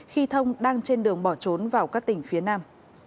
khi thông đang trên đường bỏ trốn vào các tỉnh phía nam